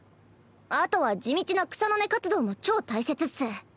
あとは地道な草の根活動も超大切っス。